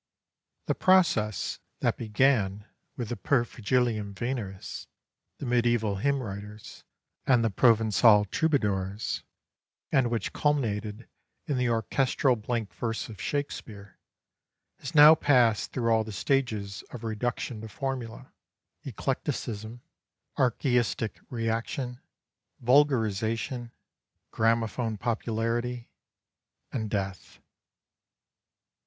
The process that began with the Pervigilium Veneris, the mediæval hymn writers, and the Provençal troubadours, and which culminated in the orchestral blank verse of Shakespeare, has now passed through all the stages of reduction to formula, eclecticism, archaistic reaction, vulgarization, gramaphone popularity, and death.